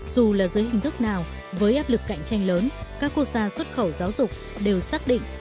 dù là dưới hình thức nào với áp lực cạnh tranh lớn các quốc gia xuất khẩu giáo dục đều xác định